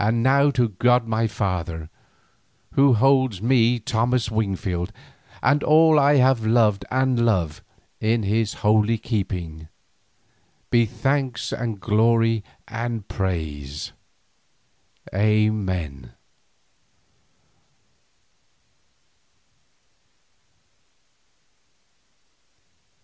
And now to God my Father, Who holds me, Thomas Wingfield, and all I have loved and love in His holy keeping, be thanks and glory and praise! Amen.